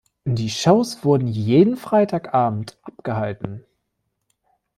Die Shows wurden jeden Freitagabend abgehalten.